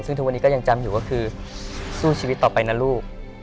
ซึ่งทุกวันนี้ก็ยังจำอยู่ก็คือสู้ชีวิตต่อไปนะลูก